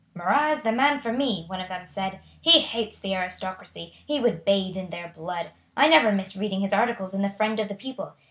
"Marat is the man for me," one of them said. "He hates the aristocracy; he would bathe in their blood. I never miss reading his articles in the Friend of the People.